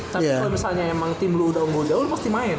tapi kalo misalnya emang tim lu udah unggul unggul pasti main